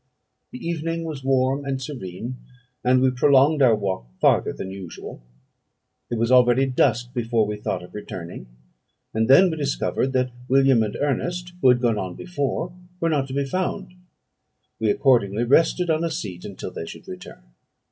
The evening was warm and serene, and we prolonged our walk farther than usual. It was already dusk before we thought of returning; and then we discovered that William and Ernest, who had gone on before, were not to be found. We accordingly rested on a seat until they should return.